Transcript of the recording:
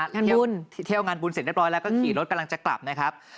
เที่ยวงานบุญเสร็จเรียบร้อยแล้วก็ขี่รถกำลังจะกลับนะครับ